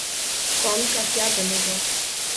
قوم کا کیا بنے گا؟